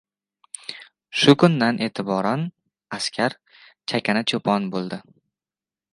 Shu kundan e’tiboran askar chakana cho‘pon bo‘ldi.